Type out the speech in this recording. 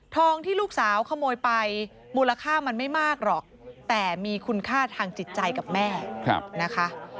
ที่ลูกสาวขโมยไปมูลค่ามันไม่มากหรอกแต่มีคุณค่าทางจิตใจกับแม่นะคะ